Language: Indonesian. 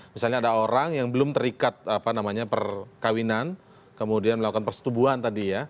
misalnya ada orang yang belum terikat apa namanya perkawinan kemudian melakukan persetubuhan tadi ya